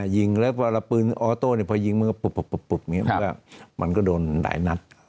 ยิงแล้วเวลาปืนออโต้พอยิงมันก็ปุ๊บมันก็โดนหลายนัด